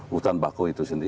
hutan bako itu sendiri